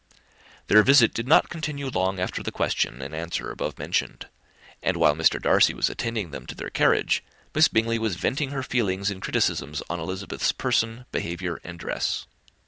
Their visit did not continue long after the question and answer above mentioned; and while Mr. Darcy was attending them to their carriage, Miss Bingley was venting her feelings in criticisms on Elizabeth's person, behaviour, and dress.